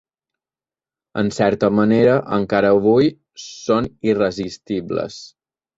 En certa manera, encara avui són irresistibles.